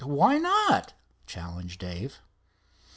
"Why not?" challenged Dave.